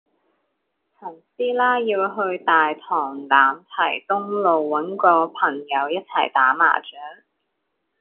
陳師奶要去大棠欖堤東路搵個朋友一齊打麻雀